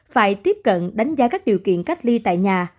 phải tiếp cận đánh giá các điều kiện cách ly tại nhà